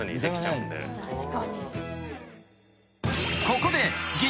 ［ここで］